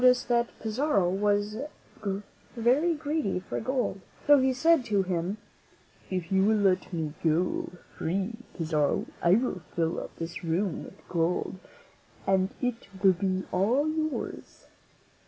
After a while, he noticed that Pizarro was very greedy for gold; so he said to him, "If you will let me go free, Pizarro, I will fill up this room with gold, and it will all be yours."